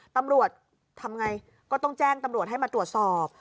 ตำรวจทำไงก็ต้องแจ้งตำรวจให้มาตรวจสอบ